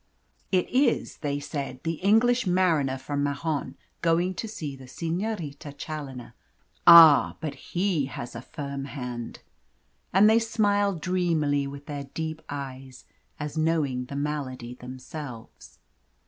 "It is," they said, "the English mariner from Mahon going to see the Senorita Challoner. Ah! but he has a firm hand." And they smiled dreamily with their deep eyes, as knowing the malady themselves.